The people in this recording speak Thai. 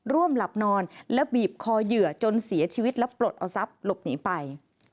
ร่วมหลับนอนและบีบคอเหยื่อจนเสียชีวิตและปลดเอาทรัพย์หลบหนีไป